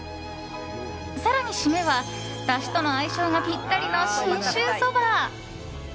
更に締めはだしとの相性がぴったりの信州そば。